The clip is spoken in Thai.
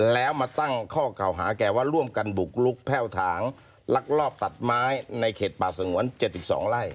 แล้วมาตั้งข้อเก่าหาแก่ว่าร่วมกันบุกลุกแพ่วถางลักลอบตัดไม้ในเขตป่าสงวน๗๒ไร่